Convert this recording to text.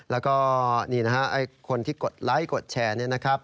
แล้วก็นี่นะฮะคนที่กดไลค์กดแชร์เนี่ยนะครับ